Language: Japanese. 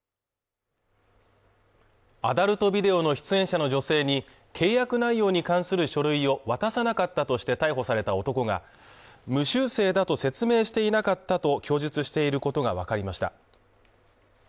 アダルトビデオの出演者の女性に契約内容に関する書類を渡さなかったとして逮捕された男が無修正だと説明していなかったと供述していることが分かりました